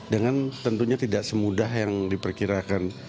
dengan tentunya tidak semudah yang diperkirakan